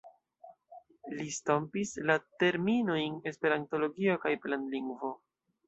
Li stampis la terminojn esperantologio kaj planlingvo.